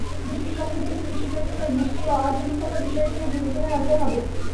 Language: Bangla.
বৃষ্টির সঙ্গে যেহেতু কৃষি জড়িত, তাই বৃষ্টির আঞ্চলিকতার বিষয়টিও বিবেচনায় আনতে হবে।